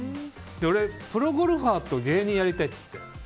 俺、プロゴルファーと芸人やりたいって。